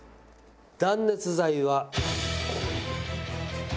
断熱材は。